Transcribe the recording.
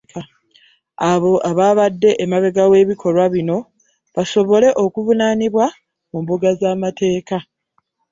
Abo abaabadde emabega w'ebikolwa bino basobole okuvunaanibwa mu mbuga z'amateeka.